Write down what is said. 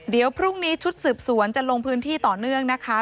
เดี๋ยวพรุ่งนี้ชุดสืบสวนจะลงพื้นที่ต่อเนื่องนะคะ